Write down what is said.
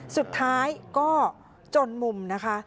สุดท้ายก็จนมุมนะคะ